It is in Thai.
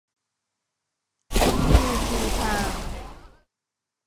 พีพี ไพร์ม